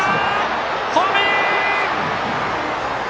ホームイン！